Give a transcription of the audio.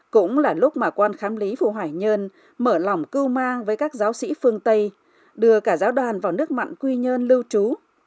cũng là lúc mà quan khám lý phù hỏi nhân mở lỏng cưu mang với các giáo sĩ phương tây đưa cả giáo đoàn vào nước mặn quy nhân lưu trí